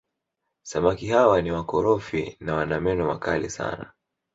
Samaki hawa ni wakorofi na wana meno makali sana